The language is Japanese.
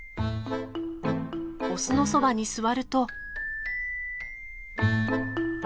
オスのそばに座ると。